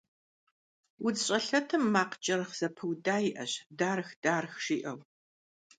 УдзщӀэлъэтым макъ кӀыргъ зэпыуда иӀэщ, «дарг-дарг», жиӀэу.